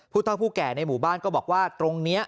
เท่าผู้แก่ในหมู่บ้านก็บอกว่าตรงนี้